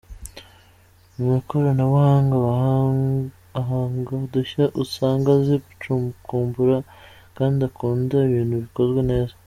Mu ikoranabuhanga ahanga udushya usanga azi gucukumbura kandi akunda ibintu bikozwe neza.